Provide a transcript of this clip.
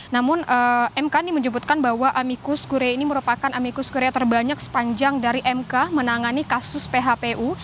namun mk ini menyebutkan bahwa amikus korea ini merupakan amikus korea terbanyak sepanjang dari mk menangani kasus phpu